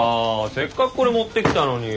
せっかくこれ持ってきたのに。